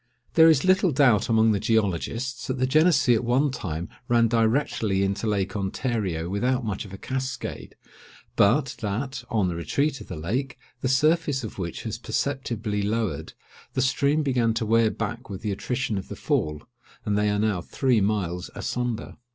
There is little doubt among the geologists, that the Genessee at one time ran directly into Lake Ontario without much of a cascade, but that, on the retreat of the lake, the surface of which has perceptibly lowered, the stream began to wear back with the attrition of the fall, and they are now three miles asunder.